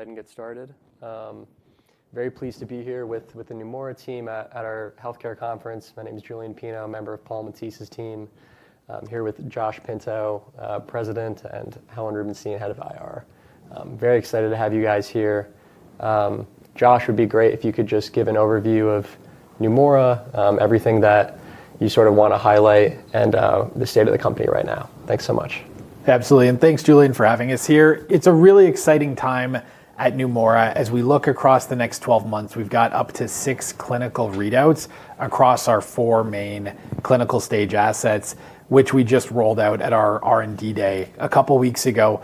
Ahead and get started. Very pleased to be here with the Neumora team at our healthcare conference. My name is Julian Pino, a member of Paul Matisse's team. I'm here with Josh Pinto, President, and Helen Rubinstein, Head of IR. Very excited to have you guys here. Josh, it would be great if you could just give an overview of Neumora, everything that you sort of want to highlight, and the state of the company right now. Thanks so much. Absolutely. Thanks, Julian, for having us here. It's a really exciting time at Neumora. As we look across the next 12 months, we've got up to six clinical readouts across our four main clinical stage assets, which we just rolled out at our R&D day a couple of weeks ago.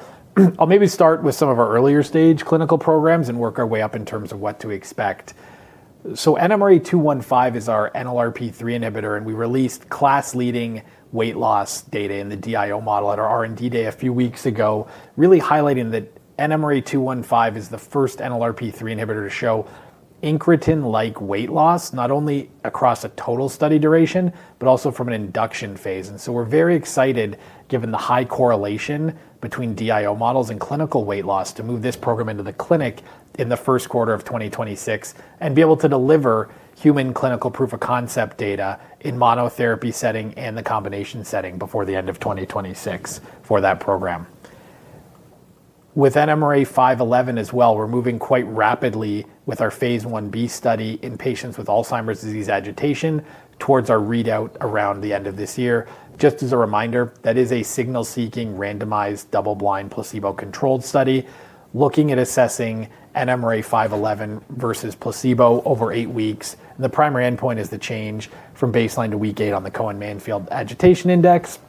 I'll maybe start with some of our earlier stage clinical programs and work our way up in terms of what to expect. NMRA-215 is our NLRP3 inhibitor, and we released class-leading weight loss data in the diet-induced obesity model at our R&D day a few weeks ago, really highlighting that NMRA-215 is the first NLRP3 inhibitor to show incretin-like weight loss, not only across a total study duration, but also from an induction phase. We are very excited, given the high correlation between DIO models and clinical weight loss, to move this program into the clinic in the first quarter of 2026 and be able to deliver human clinical proof-of-concept data in monotherapy setting and the combination setting before the end of 2026 for that program. With NMRA-511 as well, we are moving quite rapidly with our phase 1b study in patients with Alzheimer's disease agitation towards our readout around the end of this year. Just as a reminder, that is a signal-seeking, randomized, double-blind, placebo-controlled study looking at assessing NMRA-511 versus placebo over eight weeks. The primary endpoint is the change from baseline to week eight on the Cohen-Mansfield Agitation Inventory.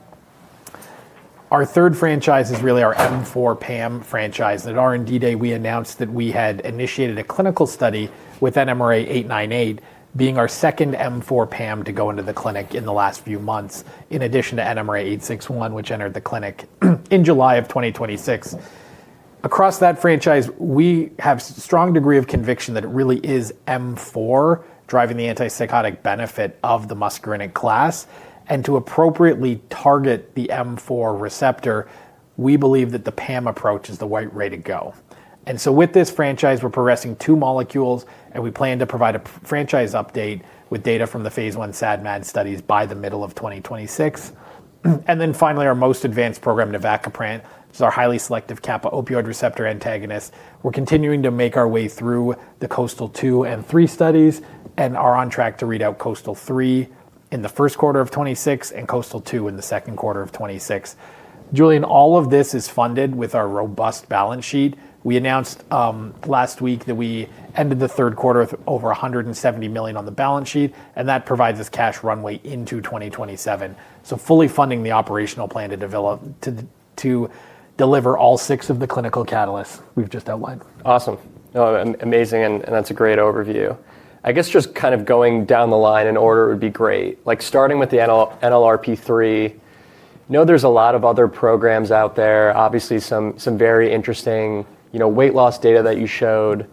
Our third franchise is really our M4 PAM franchise. At R&D day, we announced that we had initiated a clinical study with NMRA-898 being our second M4 PAM to go into the clinic in the last few months, in addition to NMRA-861, which entered the clinic in July of 2026. Across that franchise, we have a strong degree of conviction that it really is M4 driving the antipsychotic benefit of the muscarinic class. To appropriately target the M4 receptor, we believe that the PAM approach is the right way to go. With this franchise, we're progressing two molecules, and we plan to provide a franchise update with data from the phase 1 SAD/MAD studies by the middle of 2026. Finally, our most advanced program, navacaprant, is our highly selective kappa opioid receptor antagonist. We're continuing to make our way through the KOASTAL-2 and 3 studies and are on track to read out KOASTAL-3 in the first quarter of 2026 and KOASTAL-2 in the second quarter of 2026. Julian, all of this is funded with our robust balance sheet. We announced last week that we ended the third quarter with over $170 million on the balance sheet, and that provides us cash runway into 2027. Fully funding the operational plan to deliver all six of the clinical catalysts we've just outlined. Awesome. Amazing. That is a great overview. I guess just kind of going down the line in order would be great. Starting with the NLRP3, I know there are a lot of other programs out there, obviously some very interesting weight loss data that you showed.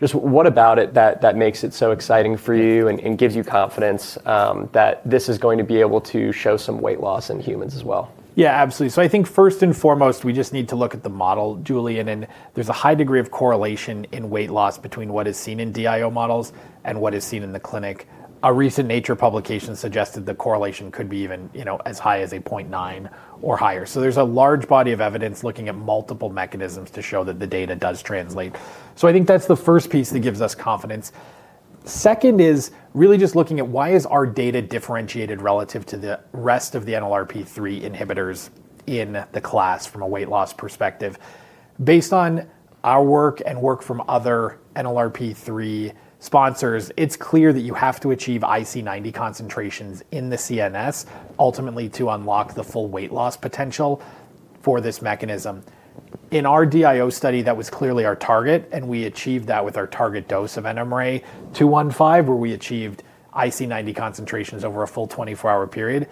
Just what about it makes it so exciting for you and gives you confidence that this is going to be able to show some weight loss in humans as well? Yeah, absolutely. I think first and foremost, we just need to look at the model, Julian, and there's a high degree of correlation in weight loss between what is seen in DIO models and what is seen in the clinic. A recent Nature publication suggested the correlation could be even as high as 0.9 or higher. There's a large body of evidence looking at multiple mechanisms to show that the data does translate. I think that's the first piece that gives us confidence. Second is really just looking at why is our data differentiated relative to the rest of the NLRP3 inhibitors in the class from a weight loss perspective. Based on our work and work from other NLRP3 sponsors, it's clear that you have to achieve IC90 concentrations in the CNS ultimately to unlock the full weight loss potential for this mechanism. In our DIO study, that was clearly our target, and we achieved that with our target dose of NMRA-215, where we achieved IC90 concentrations over a full 24-hour period.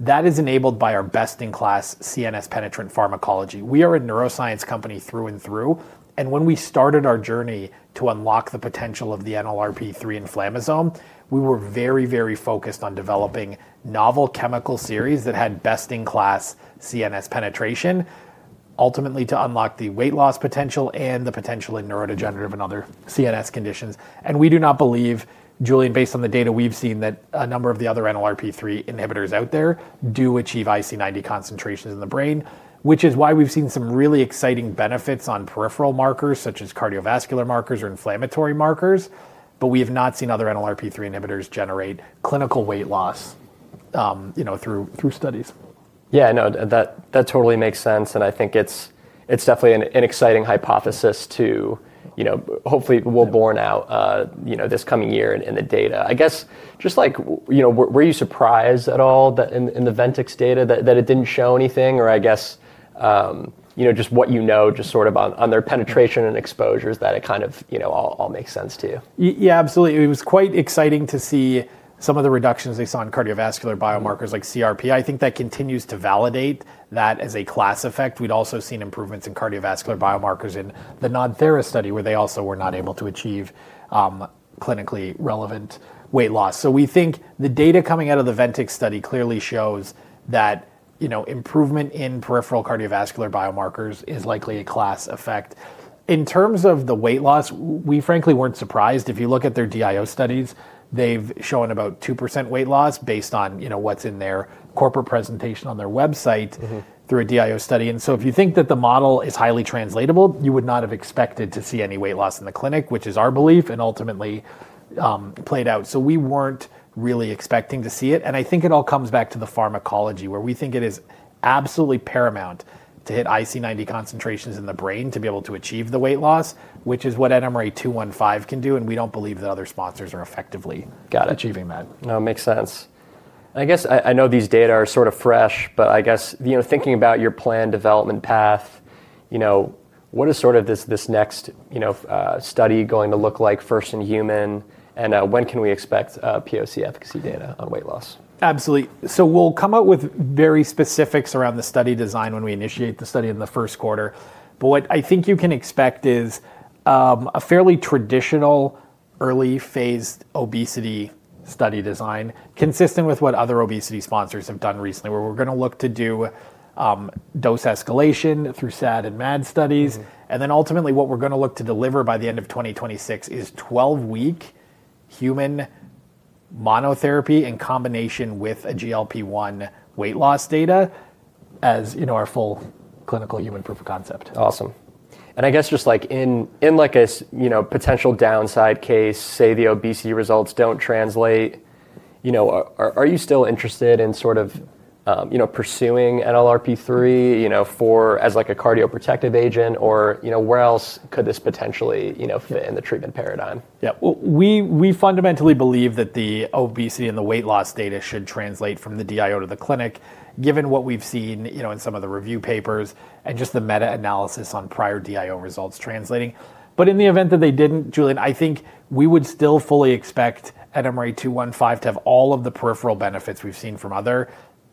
That is enabled by our best-in-class CNS penetrant pharmacology. We are a neuroscience company through and through. When we started our journey to unlock the potential of the NLRP3 inflammasome, we were very, very focused on developing novel chemical series that had best-in-class CNS penetration, ultimately to unlock the weight loss potential and the potential in neurodegenerative and other CNS conditions. We do not believe, Julian, based on the data we've seen, that a number of the other NLRP3 inhibitors out there do achieve IC90 concentrations in the brain, which is why we've seen some really exciting benefits on peripheral markers such as cardiovascular markers or inflammatory markers. We have not seen other NLRP3 inhibitors generate clinical weight loss through studies. Yeah, no, that totally makes sense. I think it's definitely an exciting hypothesis to hopefully we'll bore out this coming year in the data. I guess just like, were you surprised at all in the Ventyx data that it didn't show anything? Or I guess just what you know, just sort of on their penetration and exposures that it kind of all makes sense to you? Yeah, absolutely. It was quite exciting to see some of the reductions they saw in cardiovascular biomarkers like CRP. I think that continues to validate that as a class effect. We'd also seen improvements in cardiovascular biomarkers in the non-THERA study where they also were not able to achieve clinically relevant weight loss. We think the data coming out of the Ventyx study clearly shows that improvement in peripheral cardiovascular biomarkers is likely a class effect. In terms of the weight loss, we frankly weren't surprised. If you look at their diet-induced obesity studies, they've shown about 2% weight loss based on what's in their corporate presentation on their website through a diet-induced obesity study. If you think that the model is highly translatable, you would not have expected to see any weight loss in the clinic, which is our belief, and ultimately played out. We were not really expecting to see it. I think it all comes back to the pharmacology where we think it is absolutely paramount to hit IC90 concentrations in the brain to be able to achieve the weight loss, which is what NMRA-215 can do. We do not believe that other sponsors are effectively achieving that. Got it. No, it makes sense. I guess I know these data are sort of fresh, but I guess thinking about your planned development path, what is sort of this next study going to look like first in human? When can we expect POC efficacy data on weight loss? Absolutely. We'll come up with very specifics around the study design when we initiate the study in the first quarter. What I think you can expect is a fairly traditional early-phase obesity study design consistent with what other obesity sponsors have done recently, where we're going to look to do dose escalation through SAD and MAD studies. Ultimately, what we're going to look to deliver by the end of 2026 is 12-week human monotherapy in combination with a GLP-1 weight loss data as our full clinical human proof of concept. Awesome. I guess just like in like a potential downside case, say the obesity results don't translate, are you still interested in sort of pursuing NLRP3 as like a cardioprotective agent? Where else could this potentially fit in the treatment paradigm? Yeah. We fundamentally believe that the obesity and the weight loss data should translate from the DIO to the clinic, given what we've seen in some of the review papers and just the meta-analysis on prior DIO results translating. In the event that they didn't, Julian, I think we would still fully expect NMRA-215 to have all of the peripheral benefits we've seen from other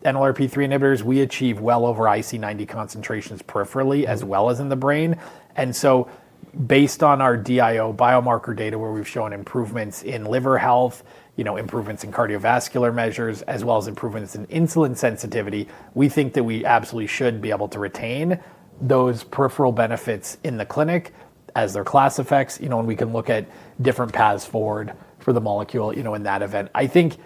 NLRP3 inhibitors. We achieve well over IC90 concentrations peripherally as well as in the brain. Based on our DIO biomarker data where we've shown improvements in liver health, improvements in cardiovascular measures, as well as improvements in insulin sensitivity, we think that we absolutely should be able to retain those peripheral benefits in the clinic as their class effects. We can look at different paths forward for the molecule in that event. I think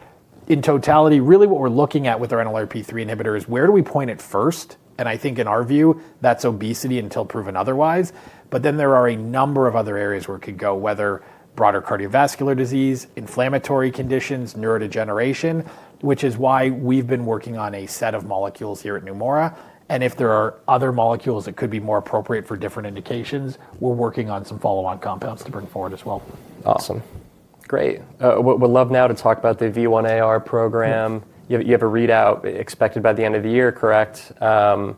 in totality, really what we're looking at with our NLRP3 inhibitor is where do we point it first? I think in our view, that's obesity until proven otherwise. There are a number of other areas where it could go, whether broader cardiovascular disease, inflammatory conditions, neurodegeneration, which is why we've been working on a set of molecules here at Neumora. If there are other molecules that could be more appropriate for different indications, we're working on some follow-on compounds to bring forward as well. Awesome. Great. Would love now to talk about the V1aR program. You have a readout expected by the end of the year, correct? Can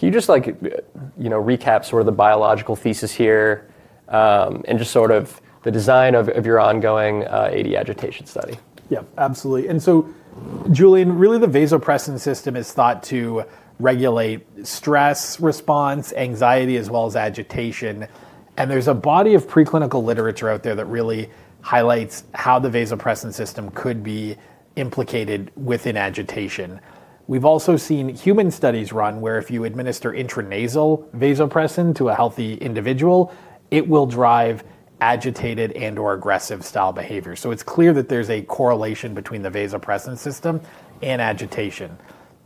you just recap sort of the biological thesis here and just sort of the design of your ongoing AD agitation study? Yeah, absolutely. Julian, really the vasopressin system is thought to regulate stress response, anxiety, as well as agitation. There is a body of preclinical literature out there that really highlights how the vasopressin system could be implicated within agitation. We have also seen human studies run where if you administer intranasal vasopressin to a healthy individual, it will drive agitated and/or aggressive style behavior. It is clear that there is a correlation between the vasopressin system and agitation.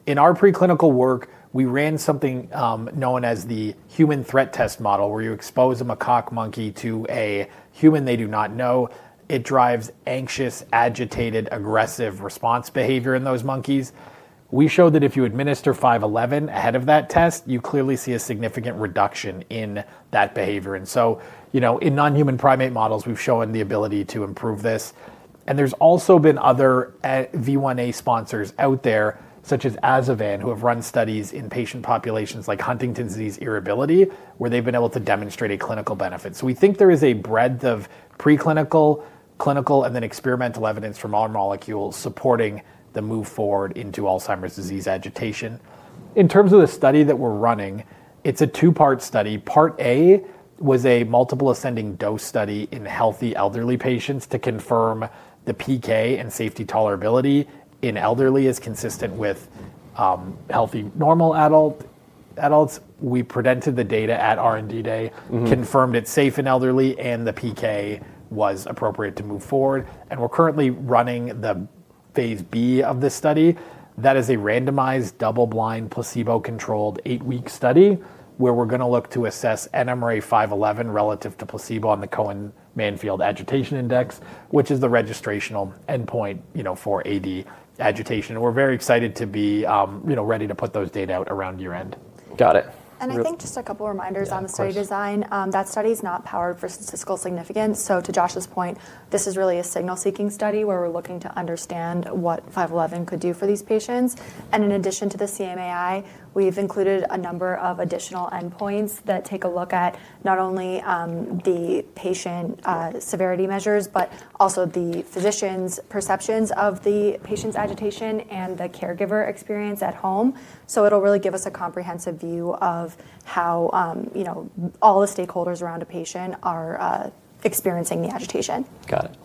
In our preclinical work, we ran something known as the human threat test model where you expose a macaque monkey to a human they do not know. It drives anxious, agitated, aggressive response behavior in those monkeys. We showed that if you administer 511 ahead of that test, you clearly see a significant reduction in that behavior. In non-human primate models, we have shown the ability to improve this. There have also been other V1a sponsors out there, such as Azovan, who have run studies in patient populations like Huntington's disease irritability, where they've been able to demonstrate a clinical benefit. We think there is a breadth of preclinical, clinical, and then experimental evidence from our molecules supporting the move forward into Alzheimer's disease agitation. In terms of the study that we're running, it's a two-part study. Part A was a multiple ascending dose study in healthy elderly patients to confirm the PK and safety tolerability in elderly is consistent with healthy normal adults. We presented the data at R&D day, confirmed it's safe in elderly, and the PK was appropriate to move forward. We're currently running the phase B of this study. That is a randomized double-blind placebo-controlled eight-week study where we're going to look to assess NMRA-511 relative to placebo on the Cohen-Mansfield Agitation Inventory, which is the registrational endpoint for AD agitation. We're very excited to be ready to put those data out around year-end. Got it. I think just a couple of reminders on the study design. That study is not powered for statistical significance. To Josh's point, this is really a signal-seeking study where we're looking to understand what 511 could do for these patients. In addition to the CMAI, we've included a number of additional endpoints that take a look at not only the patient severity measures, but also the physician's perceptions of the patient's agitation and the caregiver experience at home. It will really give us a comprehensive view of how all the stakeholders around a patient are experiencing the agitation. Got it.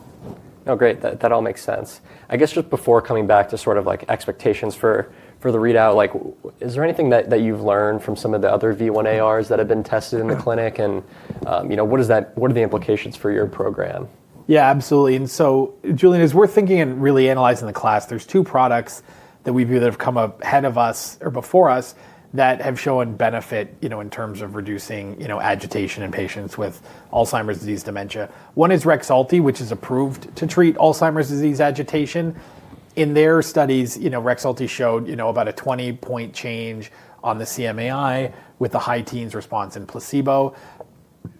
No, great. That all makes sense. I guess just before coming back to sort of expectations for the readout, is there anything that you've learned from some of the other V1aRs that have been tested in the clinic? What are the implications for your program? Yeah, absolutely. Julian, as we're thinking and really analyzing the class, there are two products that we view that have come ahead of us or before us that have shown benefit in terms of reducing agitation in patients with Alzheimer's disease dementia. One is Rexulti, which is approved to treat Alzheimer's disease agitation. In their studies, Rexulti showed about a 20-point change on the CMAI with the high teens response in placebo.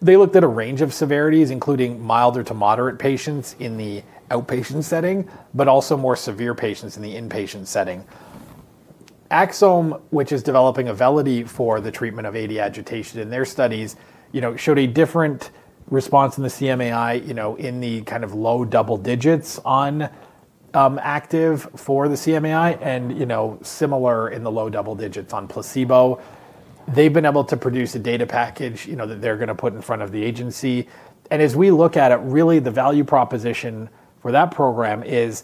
They looked at a range of severities, including milder to moderate patients in the outpatient setting, but also more severe patients in the inpatient setting. Axsome, which is developing Auvelity for the treatment of AD agitation, in their studies, showed a different response in the CMAI in the kind of low double digits on active for the CMAI and similar in the low double digits on placebo. They've been able to produce a data package that they're going to put in front of the agency. As we look at it, really the value proposition for that program is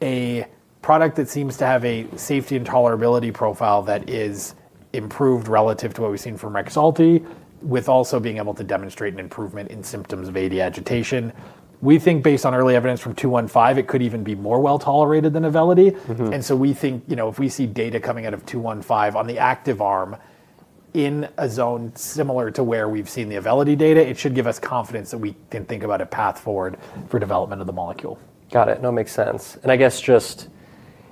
a product that seems to have a safety and tolerability profile that is improved relative to what we've seen from Rexulti, with also being able to demonstrate an improvement in symptoms of AD agitation. We think based on early evidence from 215, it could even be more well tolerated than Auvelity. We think if we see data coming out of 215 on the active arm in a zone similar to where we've seen the Auvelity data, it should give us confidence that we can think about a path forward for development of the molecule. Got it. No, it makes sense. I guess just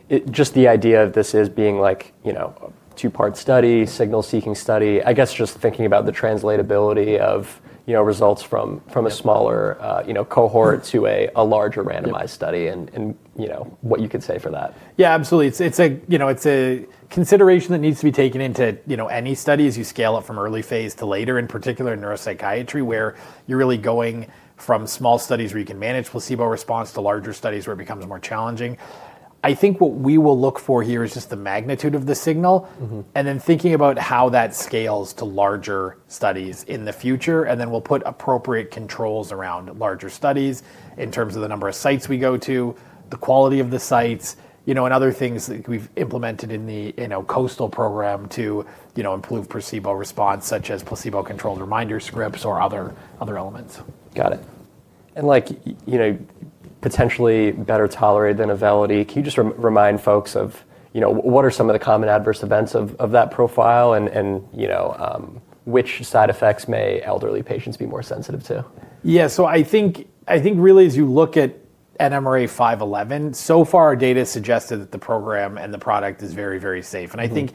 the idea of this as being like a two-part study, signal-seeking study, I guess just thinking about the translatability of results from a smaller cohort to a larger randomized study and what you could say for that. Yeah, absolutely. It's a consideration that needs to be taken into any study as you scale up from early phase to later, in particular in neuropsychiatry, where you're really going from small studies where you can manage placebo response to larger studies where it becomes more challenging. I think what we will look for here is just the magnitude of the signal and then thinking about how that scales to larger studies in the future. We will put appropriate controls around larger studies in terms of the number of sites we go to, the quality of the sites, and other things that we've implemented in the KOASTAL program to improve placebo response, such as placebo-controlled reminder scripts or other elements. Got it. And potentially better tolerated than Auvelity, can you just remind folks of what are some of the common adverse events of that profile and which side effects may elderly patients be more sensitive to? Yeah. I think really as you look at NMRA-511, so far our data suggested that the program and the product is very, very safe. I think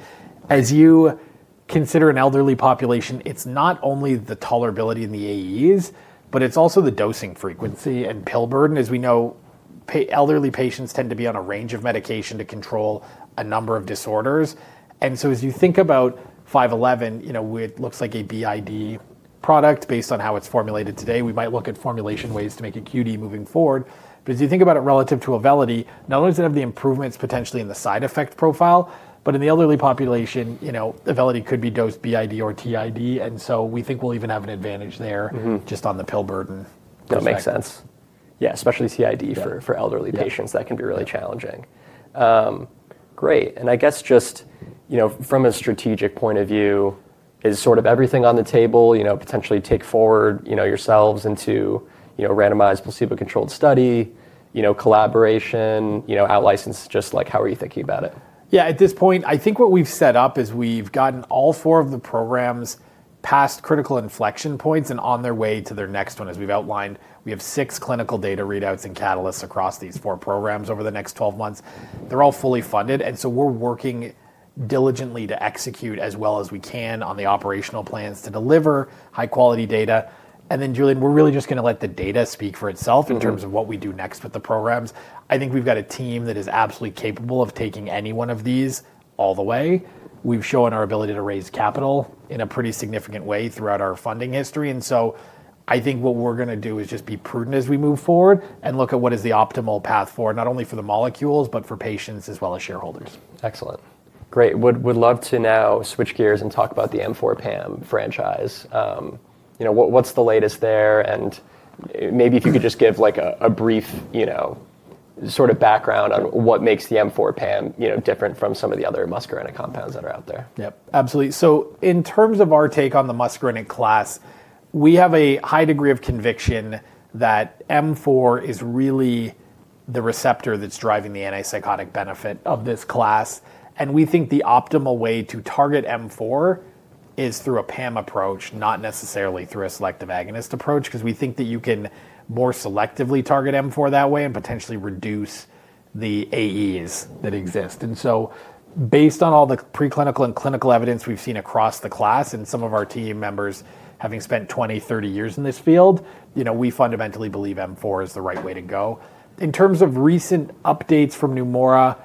as you consider an elderly population, it is not only the tolerability in the AEs, but it is also the dosing frequency and pill burden. As we know, elderly patients tend to be on a range of medication to control a number of disorders. As you think about 511, it looks like a BID product based on how it is formulated today. We might look at formulation ways to make it QD moving forward. As you think about it relative to Auvelity, not only does it have the improvements potentially in the side effect profile, but in the elderly population, Auvelity could be dosed BID or TID. We think we'll even have an advantage there just on the pill burden. That makes sense. Yeah, especially CID for elderly patients. That can be really challenging. Great. I guess just from a strategic point of view, is sort of everything on the table potentially take forward yourselves into randomized placebo-controlled study, collaboration, out license, just like how are you thinking about it? Yeah. At this point, I think what we've set up is we've gotten all four of the programs past critical inflection points and on their way to their next one. As we've outlined, we have six clinical data readouts and catalysts across these four programs over the next 12 months. They're all fully funded. We are working diligently to execute as well as we can on the operational plans to deliver high-quality data. Julian, we're really just going to let the data speak for itself in terms of what we do next with the programs. I think we've got a team that is absolutely capable of taking any one of these all the way. We've shown our ability to raise capital in a pretty significant way throughout our funding history. I think what we're going to do is just be prudent as we move forward and look at what is the optimal path not only for the molecules, but for patients as well as shareholders. Excellent. Great. Would love to now switch gears and talk about the M4PAM franchise. What's the latest there? Maybe if you could just give a brief sort of background on what makes the M4PAM different from some of the other muscarinic compounds that are out there. Yep, absolutely. In terms of our take on the muscarinic class, we have a high degree of conviction that M4 is really the receptor that's driving the antipsychotic benefit of this class. We think the optimal way to target M4 is through a PAM approach, not necessarily through a selective agonist approach, because we think that you can more selectively target M4 that way and potentially reduce the AEs that exist. Based on all the preclinical and clinical evidence we've seen across the class and some of our team members having spent 20-30 years in this field, we fundamentally believe M4 is the right way to go. In terms of recent updates from Neumora,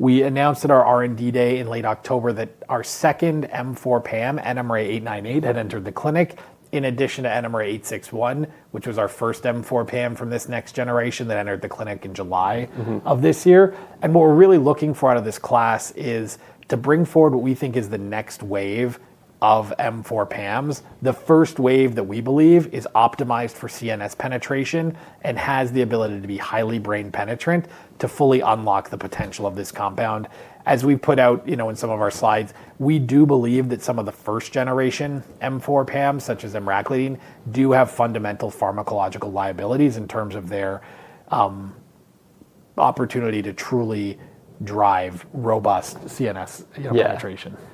we announced at our R&D day in late October that our second M4PAM, NMRA-898, had entered the clinic in addition to NMRA-861, which was our first M4PAM from this next generation that entered the clinic in July of this year. What we're really looking for out of this class is to bring forward what we think is the next wave of M4PAMs. The first wave that we believe is optimized for CNS penetration and has the ability to be highly brain penetrant to fully unlock the potential of this compound. As we put out in some of our slides, we do believe that some of the first-generation M4PAMs, such as emraclidine, do have fundamental pharmacological liabilities in terms of their opportunity to truly drive robust CNS penetration. Yeah.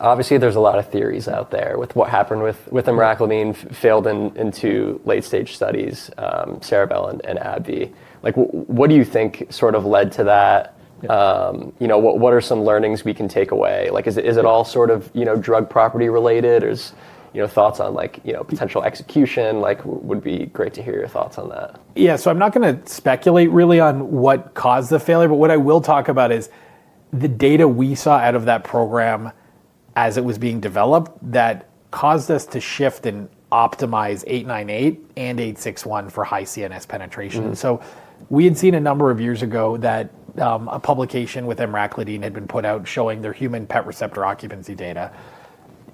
Obviously, there's a lot of theories out there with what happened with emraclidine failed in the late-stage studies, KarXT and AbbVie. What do you think sort of led to that? What are some learnings we can take away? Is it all sort of drug property related? Or thoughts on potential execution? It would be great to hear your thoughts on that. Yeah. I'm not going to speculate really on what caused the failure. What I will talk about is the data we saw out of that program as it was being developed that caused us to shift and optimize 898 and 861 for high CNS penetration. We had seen a number of years ago that a publication with emraclidine had been put out showing their human PET receptor occupancy data.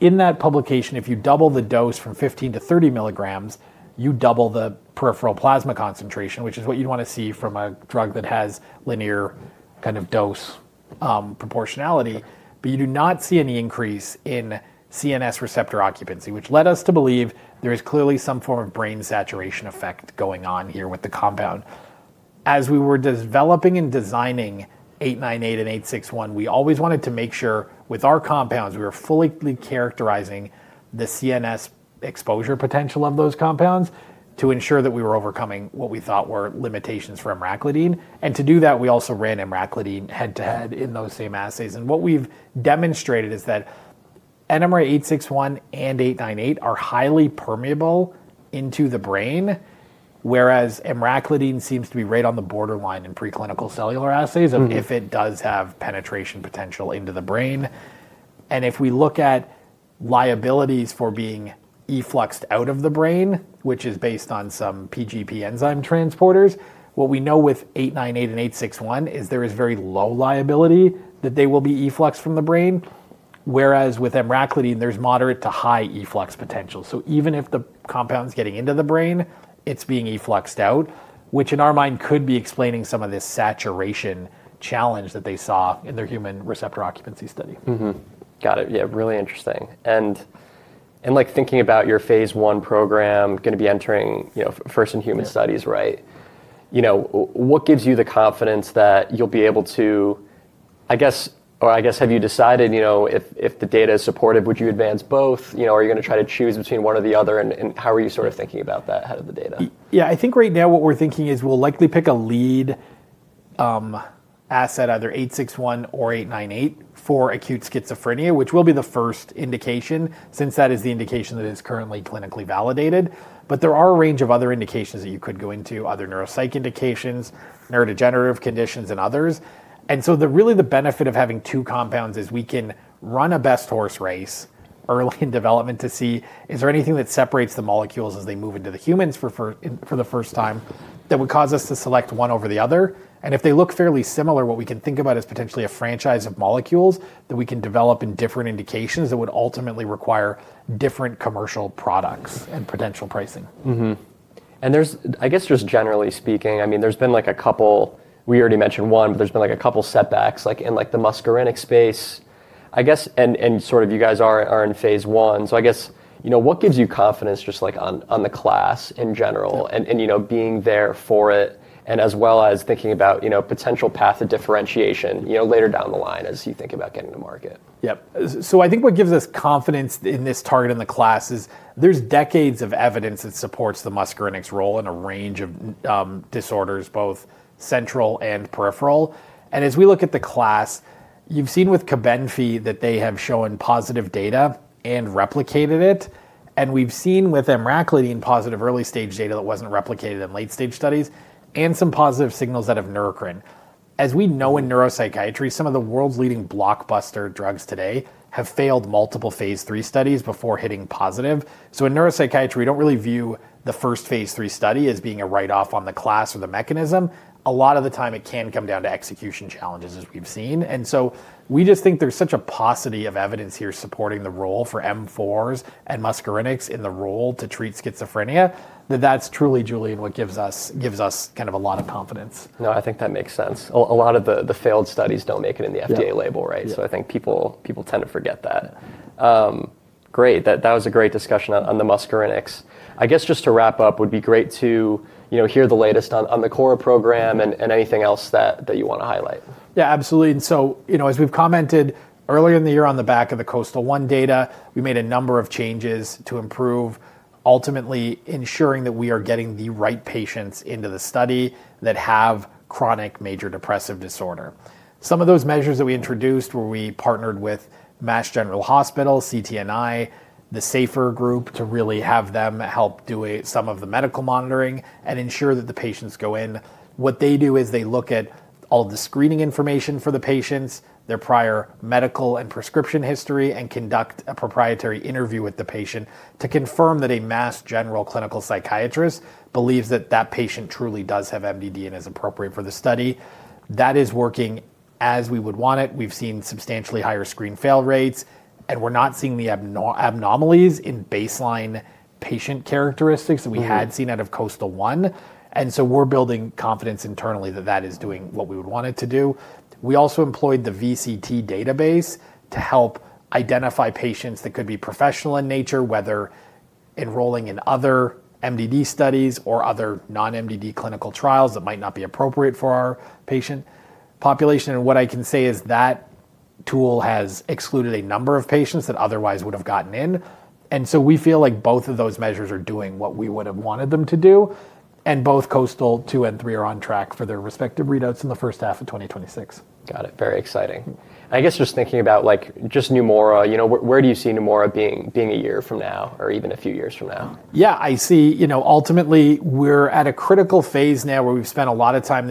In that publication, if you double the dose from 15 to 30 milligrams, you double the peripheral plasma concentration, which is what you'd want to see from a drug that has linear kind of dose proportionality. You do not see any increase in CNS receptor occupancy, which led us to believe there is clearly some form of brain saturation effect going on here with the compound. As we were developing and designing 898 and 861, we always wanted to make sure with our compounds we were fully characterizing the CNS exposure potential of those compounds to ensure that we were overcoming what we thought were limitations for emraclidine. To do that, we also ran emraclidine head-to-head in those same assays. What we've demonstrated is that NMRA-861 and 898 are highly permeable into the brain, whereas emraclidine seems to be right on the borderline in preclinical cellular assays if it does have penetration potential into the brain. If we look at liabilities for being effluxed out of the brain, which is based on some PGP enzyme transporters, what we know with 898 and 861 is there is very low liability that they will be effluxed from the brain, whereas with emraclidine, there's moderate to high efflux potential. Even if the compound's getting into the brain, it's being effluxed out, which in our mind could be explaining some of this saturation challenge that they saw in their human receptor occupancy study. Got it. Yeah, really interesting. Thinking about your phase I program, going to be entering first in human studies, right? What gives you the confidence that you'll be able to, I guess, or I guess have you decided if the data is supportive, would you advance both? Are you going to try to choose between one or the other? How are you sort of thinking about that ahead of the data? Yeah, I think right now what we're thinking is we'll likely pick a lead asset, either 861 or 898 for acute schizophrenia, which will be the first indication since that is the indication that is currently clinically validated. There are a range of other indications that you could go into, other neuropsych indications, neurodegenerative conditions, and others. Really the benefit of having two compounds is we can run a best horse race early in development to see, is there anything that separates the molecules as they move into the humans for the first time that would cause us to select one over the other? If they look fairly similar, what we can think about is potentially a franchise of molecules that we can develop in different indications that would ultimately require different commercial products and potential pricing. I guess just generally speaking, I mean, there's been like a couple, we already mentioned one, but there's been like a couple setbacks in the muscarinic space, I guess, and sort of you guys are in phase I. I guess what gives you confidence just on the class in general and being there for it and as well as thinking about potential path of differentiation later down the line as you think about getting to market? Yep. I think what gives us confidence in this target and the class is there's decades of evidence that supports the muscarinic's role in a range of disorders, both central and peripheral. As we look at the class, you've seen with KarXT that they have shown positive data and replicated it. We've seen with emraclidine positive early stage data that was not replicated in late stage studies, and some positive signals that have Neumora. As we know in neuropsychiatry, some of the world's leading blockbuster drugs today have failed multiple phase III studies before hitting positive. In neuropsychiatry, we do not really view the first phase III study as being a write-off on the class or the mechanism. A lot of the time, it can come down to execution challenges as we've seen. We just think there's such a paucity of evidence here supporting the role for M4s and muscarinics in the role to treat schizophrenia that that's truly, Julian, what gives us kind of a lot of confidence. No, I think that makes sense. A lot of the failed studies don't make it in the FDA label, right? So I think people tend to forget that. Great. That was a great discussion on the muscarinics. I guess just to wrap up, would be great to hear the latest on the core program and anything else that you want to highlight. Yeah, absolutely. As we've commented earlier in the year on the back of the KOASTAL-1 data, we made a number of changes to improve ultimately ensuring that we are getting the right patients into the study that have chronic major depressive disorder. Some of those measures that we introduced were we partnered with Mass General Hospital, CTNI, the SAFER group to really have them help do some of the medical monitoring and ensure that the patients go in. What they do is they look at all the screening information for the patients, their prior medical and prescription history, and conduct a proprietary interview with the patient to confirm that a Mass General clinical psychiatrist believes that that patient truly does have MDD and is appropriate for the study. That is working as we would want it. We've seen substantially higher screen fail rates, and we're not seeing the abnormalities in baseline patient characteristics that we had seen out of KOASTAL-1. We are building confidence internally that that is doing what we would want it to do. We also employed the VCT database to help identify patients that could be professional in nature, whether enrolling in other MDD studies or other non-MDD clinical trials that might not be appropriate for our patient population. What I can say is that tool has excluded a number of patients that otherwise would have gotten in. We feel like both of those measures are doing what we would have wanted them to do. Both KOASTAL-2 and 3 are on track for their respective readouts in the first half of 2026. Got it. Very exciting. I guess just thinking about just Neumora, where do you see Neumora being a year from now or even a few years from now? Yeah, I see ultimately we're at a critical phase now where we've spent a lot of time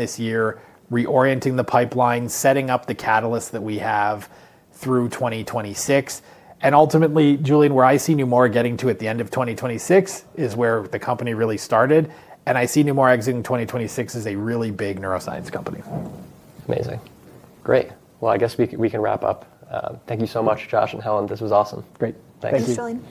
this year reorienting the pipeline, setting up the catalyst that we have through 2026. Ultimately, Julian, where I see Neumora getting to at the end of 2026 is where the company really started. I see Neumora exiting 2026 as a really big neuroscience company. Amazing. Great. I guess we can wrap up. Thank you so much, Josh and Helen. This was awesome. Great. Thanks, Julian.